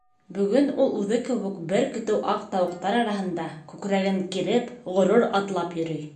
Бөгөн ул үҙе кеүек бер көтөү аҡ тауыҡтар араһында, күкрәген киреп, ғорур атлап йөрөй.